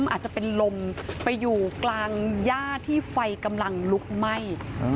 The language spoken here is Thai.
อาจจะเป็นลมไปอยู่กลางย่าที่ไฟกำลังลุกไหม้